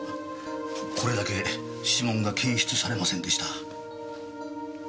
これだけ指紋が検出されませんでした。